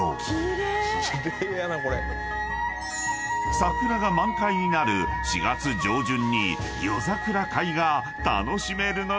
［桜が満開になる４月上旬に夜桜会が楽しめるのだ］